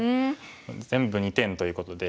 全部２点ということで。